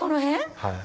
はい。